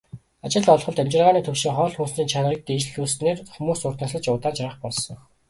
Ажил олголт, амьжиргааны түвшин, хоол хүнсний чанарыг дээшлүүлснээр хүмүүс урт насалж, удаан жаргах болсон.